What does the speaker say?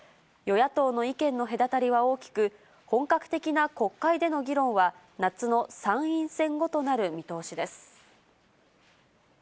与野党の意見の隔たりは大きく、本格的な国会での議論は、夏の参院選後となる見通しです。